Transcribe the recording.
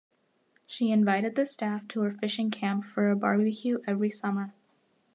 She invited the staff to her fishing camp for a barbecue every summer.